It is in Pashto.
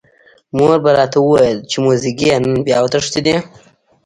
مور به راته ویل چې موزیګیه نن بیا وتښتېدې.